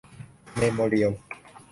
เมโมเรียล